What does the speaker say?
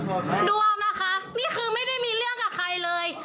นวมนะคะนี่คือไม่ได้มีเรื่องกับใครเลย